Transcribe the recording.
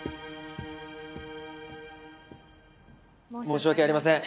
申し訳ありません。